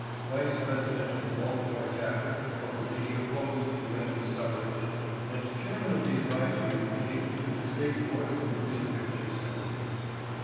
vice president of the Baltimore chapter of the League Opposed to Woman's Suffrage and chairman of the Advisory Committee to the State Board of Moving Picture Censors.